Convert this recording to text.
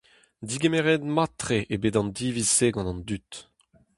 Degemeret mat-tre eo bet an diviz-se gant an dud.